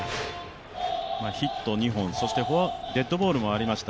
ヒット２本、デッドボールもありました